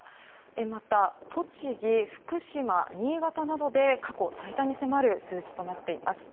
また、栃木、福島、新潟などで過去最多に迫る数字となっています。